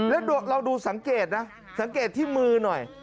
แล้วเราดูสังเกตนะสังเกตที่มือหน่อย